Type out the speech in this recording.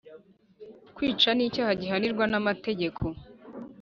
kwica nicyaha gihanirwa namategeko